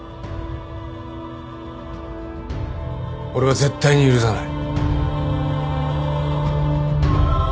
俺は絶対に許さない。